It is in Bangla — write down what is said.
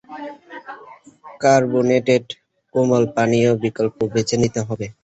কার্বোনেটেড কোমল পানীয়ের বিকল্প বেছে নিতে হবে।